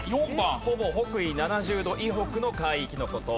ほぼ北緯７０度以北の海域の事。